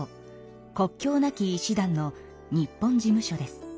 国境なき医師団の日本事務所です。